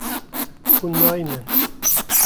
Hûn nayînin.